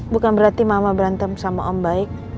bukan berarti mama berantem sama om baik